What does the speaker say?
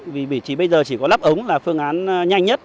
vì vị trí bây giờ chỉ có lắp ống là phương án nhanh nhất